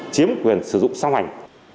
chiếm quyền sử dụng sang hoành